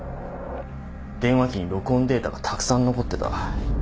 電話機に録音データがたくさん残ってた。